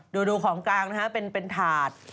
ดูของกลางเป็นถาด